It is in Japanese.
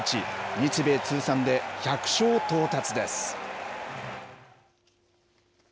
日米通算で１００勝到達です。